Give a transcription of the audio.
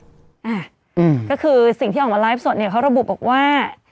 อ่าก็คือสิ่งที่ออกมาไลฟ์สดเนี่ยเขาระบุบอกว่า